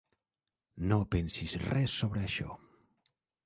No pensis res sobre això.